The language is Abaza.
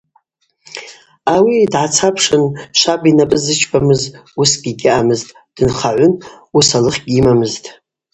Ауи дгӏацапшын: Шваба йнапӏы ззычпамыз уыскӏгьи гьаъамызтӏ, дынхагӏвын, уысалых гьйымамызтӏ.